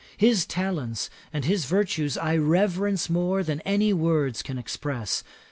His talents and his virtues I reverence more than any words can express.